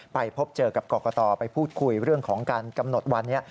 พบเจอกับกรกตไปพูดคุยเรื่องของการกำหนดวันนี้